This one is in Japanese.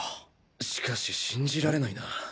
しかし信じられないな。